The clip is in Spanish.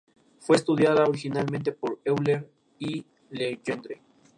Fue estudiada originalmente por Euler y Legendre.